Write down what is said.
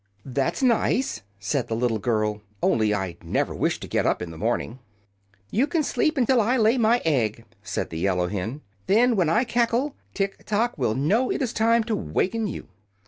"That's nice," said the little girl; "only I never wish to get up in the morning." "You can sleep until I lay my egg," said the yellow hen. "Then, when I cackle, Tiktok will know it is time to waken you."